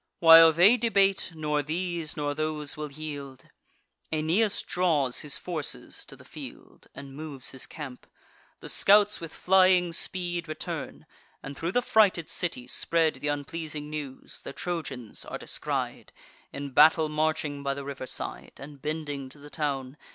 While they debate, nor these nor those will yield, Aeneas draws his forces to the field, And moves his camp. The scouts with flying speed Return, and thro' the frighted city spread Th' unpleasing news, the Trojans are descried, In battle marching by the river side, And bending to the town.